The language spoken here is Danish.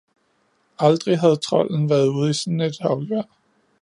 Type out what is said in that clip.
aldrig havde trolden været ude i sådan et haglvejr.